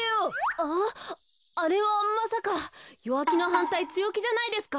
ああれはまさか弱気のはんたい強気じゃないですか？